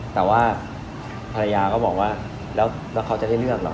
แต่ว่าภรรยาก็บอกว่าแล้วเขาจะได้เลือกเหรอ